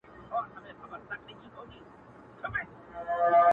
نا پاکستانه کنډواله دي کړمه,